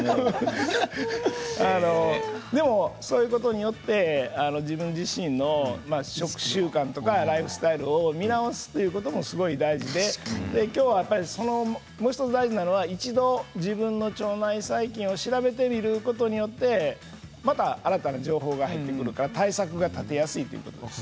そういうことによって自分自身の食習慣とかライフスタイルを見直すということもすごい大事で今日はもう１つ大事なのは一度、自分の腸内細菌を調べてみることによってまた新たな情報が入ってくるから対策が立てやすいということです。